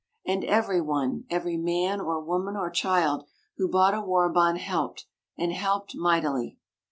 And every one every man or woman or child who bought a war bond helped and helped mightily!